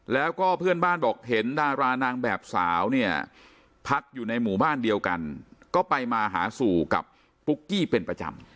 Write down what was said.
แล้วก็เพื่อนบ้านบอกเห็นดารานางแบบสาวเนี่ยพักอยู่ในหมู่บ้านเดียวกันก็ไปมาหาสู่กับปุ๊กกี้เป็นประจำ